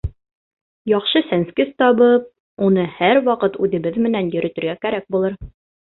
— Яҡшы сәнскес табып, уны һәр ваҡыт үҙебеҙ менән йөрөтөргә кәрәк булыр.